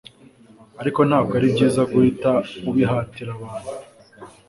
Ariko ntabwo ari byiza guhita ubihatira abantu